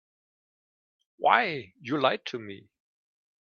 Why, you lied to me.